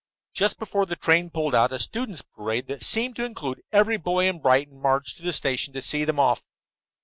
Just before the train pulled out a students' parade that seemed to include every boy in Brighton marched to the station to see them off.